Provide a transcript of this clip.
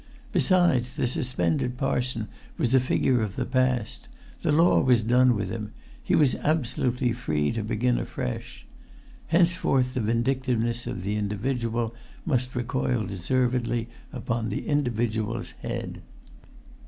Besides, the suspended parson was a figure of the past; the law was done with him; he was absolutely free to begin afresh. Henceforth the vindictiveness of the individual must recoil deservedly upon the individual's head.